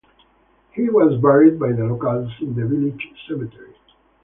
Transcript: He was buried by the locals in the village cemetery.